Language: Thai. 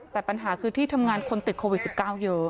แต่ปัญหาคือที่ทำงานคนติดโควิด๑๙เยอะ